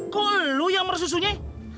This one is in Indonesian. kok lo yang meresu resunya